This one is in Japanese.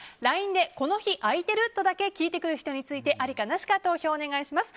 ＬＩＮＥで「この日空いてる？」とだけ聞いてくる人についてありかなしか投票をお願いします。